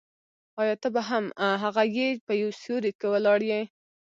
آیا ته به هم هغه یې په یو سیوري کې ولاړ یې.